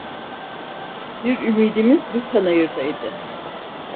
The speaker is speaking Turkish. Bir ümidimiz bu panayırdaydı!